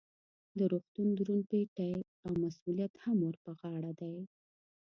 د روغتون دروند پیټی او مسؤلیت هم ور په غاړه دی.